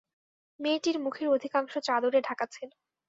মেয়েটির মুখের অধিকাংশ চাদরে ঢাকা ছিল।